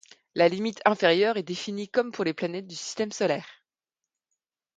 La limite inférieure est définie comme pour les planètes du système solaire.